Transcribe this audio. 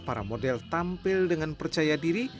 para model tampil dengan percaya diri